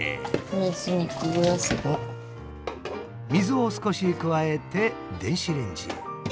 水を少し加えて電子レンジへ。